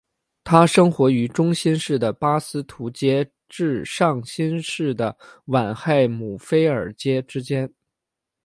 它生活于中新世的巴斯图阶至上新世的晚亥姆菲尔阶之间。